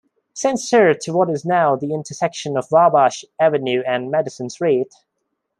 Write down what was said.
Saint Cyr to what is now the intersection of Wabash Avenue and Madison Street.